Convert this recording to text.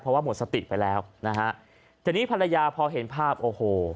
เพราะว่าหมดสติไปแล้วนะฮะทีนี้ภรรยาพอเห็นภาพโอ้โห